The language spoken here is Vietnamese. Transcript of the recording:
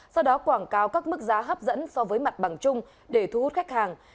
sau đó quảng cáo các mức giá hấp dẫn so với mặt bằng chung để thu hút khách hàng